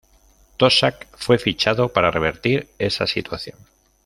Toshack fue fichado para revertir esa situación.